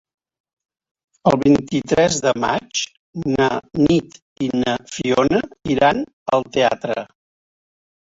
El vint-i-tres de maig na Nit i na Fiona iran al teatre.